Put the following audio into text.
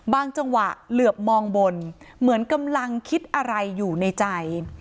จังหวะเหลือบมองบนเหมือนกำลังคิดอะไรอยู่ในใจ